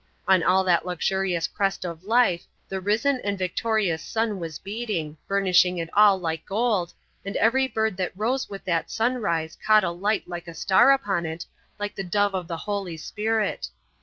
On all that luxurious crest of life the risen and victorious sun was beating, burnishing it all like gold, and every bird that rose with that sunrise caught a light like a star upon it like the dove of the Holy Spirit.